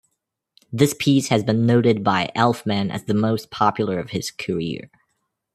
This piece has been noted by Elfman as the most popular of his career.